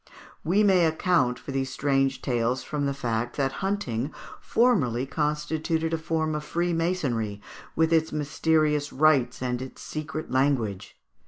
We may account for these strange tales from the fact that hunting formerly constituted a sort of freemasonry, with its mysterious rites and its secret language.